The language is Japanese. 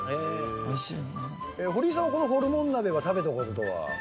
堀井さんはこのホルモン鍋は食べたことは？